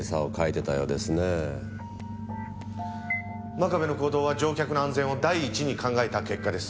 真壁の行動は乗客の安全を第一に考えた結果です。